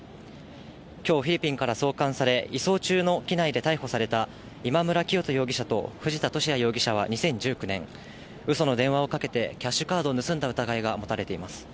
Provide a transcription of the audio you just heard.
きょう、フィリピンから送還され、移送中の機内で逮捕された、今村磨人容疑者と藤田聖也容疑者は２０１９年、うその電話をかけてキャッシュカードを盗んだ疑いが持たれています。